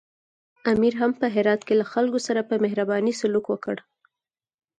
امیر هم په هرات کې له خلکو سره په مهربانۍ سلوک وکړ.